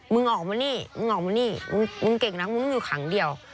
มึงออกมานี่มึงออกมานี่มึงเก่งนะมึงอยู่ขังเดียว